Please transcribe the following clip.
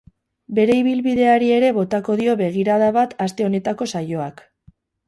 Bere ibilbideari ere botako dio begirada bat aste honetako saioak.